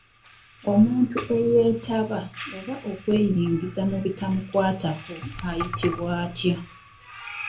Omuntu eyeetaba oba okweyingiza mu bitamukwatako ayitibwa atya?